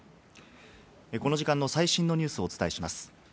この時間の最新のニュースをお伝えします。